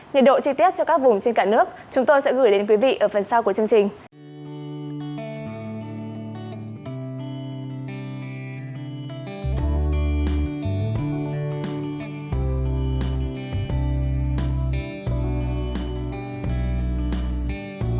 nhiệt độ chi tiết cho các vùng trên cả nước chúng tôi sẽ gửi đến quý vị ở phần sau của chương trình